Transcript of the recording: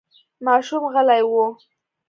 ماشوم غلی و.